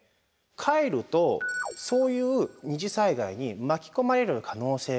帰るとそういう二次災害に巻き込まれる可能性がある。